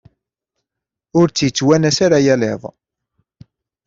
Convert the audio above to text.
Ur tt-yettwanas ara yal iḍ.